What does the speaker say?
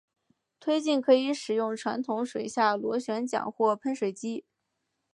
推进可以使用传统水下螺旋桨或喷水机。